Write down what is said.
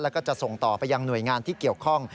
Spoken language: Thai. แล้วก็จะส่งต่อไปยังหน่วยงานที่เกี่ยวข้อง